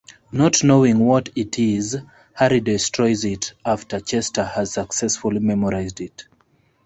Not knowing what it is, Harry destroys it after Chester has successfully memorized it.